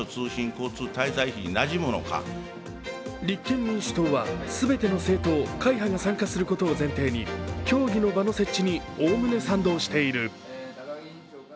立憲民主党は全ての政党会派が参加することを前提に、協議の場の設置におおむね賛同している。